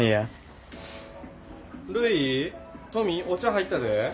お茶入ったで。